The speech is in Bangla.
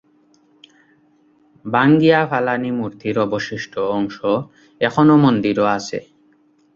ভেঙে ফেলা মূর্তির অবশিষ্ট অংশ এখনও মন্দিরে রয়েছে।